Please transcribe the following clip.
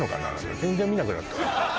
全然見なくなったね